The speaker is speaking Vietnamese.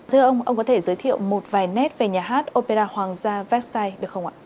thưa ông ông có thể giới thiệu một vài nét về nhà hát opera hoàng gia vecsai được không ạ